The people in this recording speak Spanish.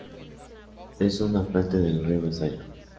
Es un afluente del río Besaya.